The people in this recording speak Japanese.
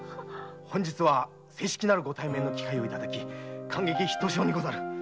正式なご対面の機会をいただき感激ひとしおにござる。